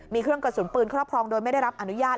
มีเครื่องกระสุนปืนครอบครองโดยไม่ได้รับอนุญาต